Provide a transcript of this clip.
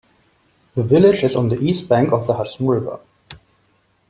The village is on the east bank of the Hudson River.